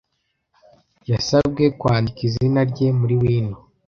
Yasabwe kwandika izina rye muri wino.